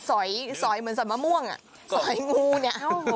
สอยเหมือนสอยมะม่วงอ่ะสอยงูเนี่ย